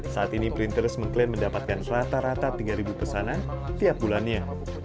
saat ini printers mengklaim mendapatkan rata rata tiga pesanan tiap bulannya